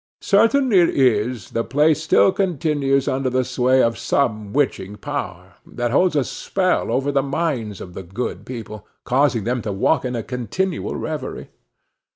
Certain it is, the place still continues under the sway of some witching power, that holds a spell over the minds of the good people, causing them to walk in a continual reverie.